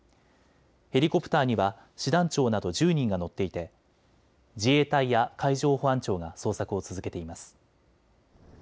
ヘリコプターには師団長など１０人が乗っていて自衛隊や海上保安庁が捜索を続けています。